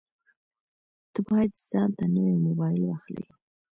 ته باید ځانته نوی مبایل واخلې